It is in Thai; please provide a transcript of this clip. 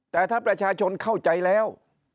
แต่ถ้าประชาชนเข้าใจแล้ว